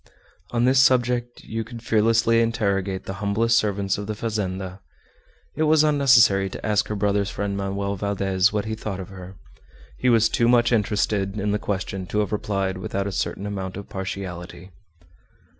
On this subject you could fearlessly interrogate the humblest servants of the fazenda. It was unnecessary to ask her brother's friend, Manoel Valdez, what he thought of her. He was too much interested in the question to have replied without a certain amount of partiality.